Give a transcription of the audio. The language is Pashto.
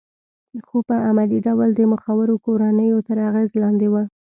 خو په عملي ډول د مخورو کورنیو تر اغېز لاندې وه